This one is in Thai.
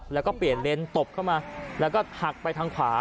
แล้วก็เปลี่ยนเลนสตบเข้ามาแล้วก็หักไปทางขวา